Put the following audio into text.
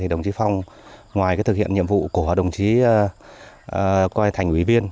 đồng chí phong ngoài thực hiện nhiệm vụ của đồng chí quay thành ủy viên